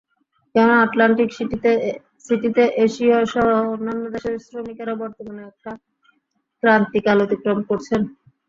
কেননা আটলান্টিক সিটিতে এশীয়সহ অন্যান্য দেশের শ্রমিকেরা বর্তমানে একটা ক্রান্তিকাল অতিক্রম করছেন।